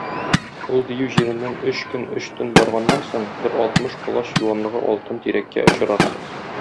Ул дию җиреннән өч көн, өч төн барганнан соң, бер алтмыш колач юанлыгы алтын тирәккә очрарсыз.